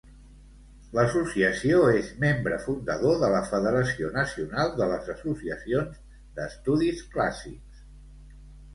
L'associació és membre fundador de la Federació nacional de les associacions d'estudis clàssics.